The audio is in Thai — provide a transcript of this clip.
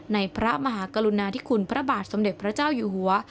พระมหากรุณาธิคุณพระบาทสมเด็จพระเจ้าอยู่หัว